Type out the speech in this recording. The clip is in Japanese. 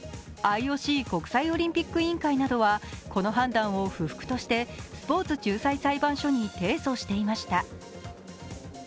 ＩＯＣ＝国際オリンピック委員会などはこの判断を不服としてスポーツ仲裁裁判所に提訴していました。